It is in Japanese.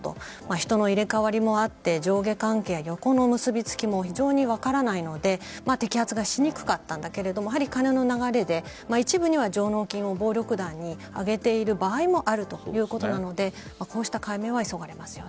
人の入れ替わりもあって上下関係や横の結びつきも非常に分からないので摘発がしにくかったんだけれども金の流れで、一部には上納金を暴力団に上げている場合もあるということなのでこうした解明は急がれます。